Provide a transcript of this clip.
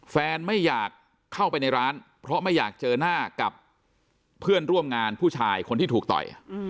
ไม่อยากเข้าไปในร้านเพราะไม่อยากเจอหน้ากับเพื่อนร่วมงานผู้ชายคนที่ถูกต่อย